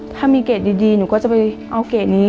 ถ้ามีเกรดดีหนูก็จะไปเอาเกรดนี้